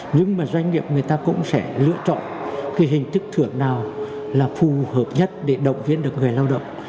nhưng mà doanh nghiệp người ta cũng sẽ lựa chọn cái hình thức thưởng nào là phù hợp nhất để động viên được người lao động